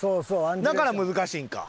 だから難しいんか。